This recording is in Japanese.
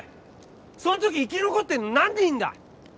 その時生き残ってんの何人いんだ？